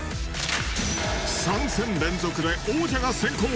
３戦連続で王者が先攻。